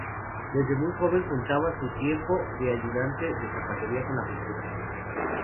Desde muy joven, juntaba su tiempo de ayudante de zapatería con la pintura.